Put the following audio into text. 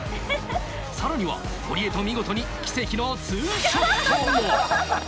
さらには堀江と見事に奇跡のツーショットも。